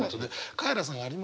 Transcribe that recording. カエラさんあります？